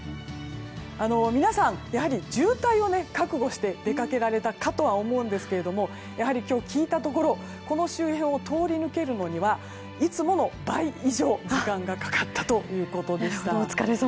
皆さん、渋滞を覚悟して出かけられたかと思うんですけれども今日、聞いたところこの周辺を通り抜けるのにはいつもの倍以上、時間がかかったということでした。